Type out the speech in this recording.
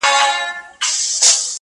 و عسکرو تې ول ځئ زموږ له کوره,